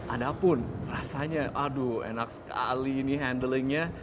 adapun rasanya aduh enak sekali ini handlingnya